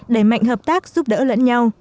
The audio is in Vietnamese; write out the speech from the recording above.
đẩy mạnh hợp tác giúp đỡ lẫn nhau